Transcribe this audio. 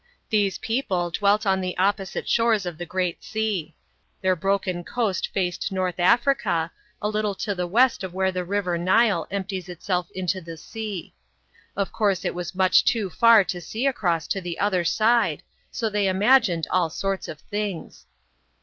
These people dwelt on the opposite shores of the Great Sea. Their broken coast faced North Africa, a little to the west of where the river Nile empties itself into the sea. Of course it was much too far to see across to the other side, so they imagined all sorts of things.